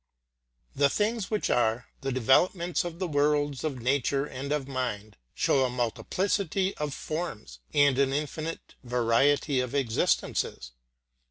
The things which are, the developments of the worlds of nature and of mind, show a multiplicity of forms and an infinite variety of existences.